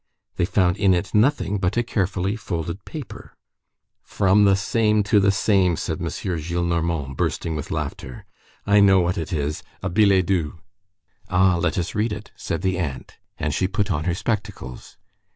They found in it nothing but a carefully folded paper. "From the same to the same," said M. Gillenormand, bursting with laughter. "I know what it is. A billet doux." "Ah! let us read it!" said the aunt. And she put on her spectacles.